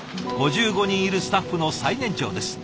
５５人いるスタッフの最年長です。